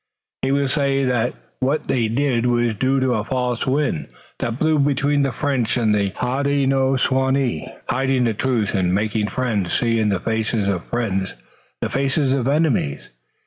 He will say that what they did was due to a false wind that blew between the French and the Hodenosaunee, hiding the truth, and making friends see in the faces of friends the faces of enemies.